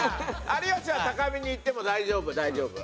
有吉は高めにいっても大丈夫大丈夫。